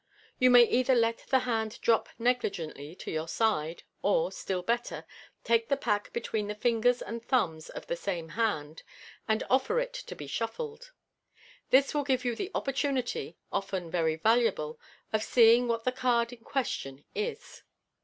FlG XS« You may either let the hand drop negligently to your side, or, still better, take the pack between the fingers and thumb of the same hand (see Fig. 15) and offer it to be shuffled. This will give you the opportunity, often very valuable, of seeing what the card in question is.